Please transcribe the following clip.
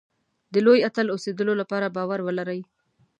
د لوی اتل اوسېدلو لپاره باور ولرئ.